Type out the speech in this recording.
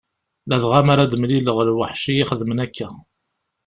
Ladɣa mi ara d-mlileɣ lweḥc iyi-xedmen akka.